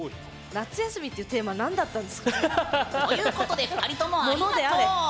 「夏休み」っていうテーマ何だったんですかね？ということで二人ともありがとう！